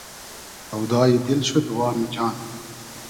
سۆدای دیل شود وامی جان